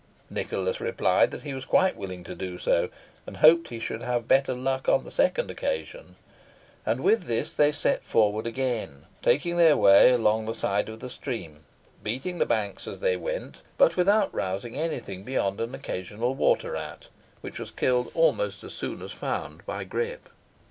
Nicholas replied that he was quite willing to do so, and hoped he should have better luck on the second occasion; and with this they set forward again, taking their way along the side of the stream, beating the banks as they went, but without rousing any thing beyond an occasional water rat, which was killed almost as soon as found by Grip.